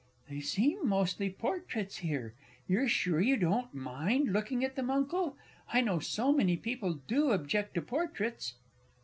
They seem mostly Portraits here. You're sure you don't mind looking at them, Uncle? I know so many people do object to Portraits.